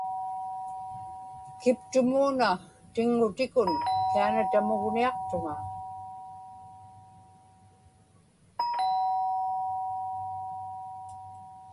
kiptumuuna tiŋŋutikun Canada-mugniaqtuŋa